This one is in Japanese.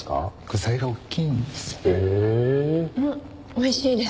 うんおいしいです。